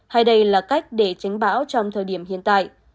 hay đây là cách để tránh bão trong thời điểm hiện tại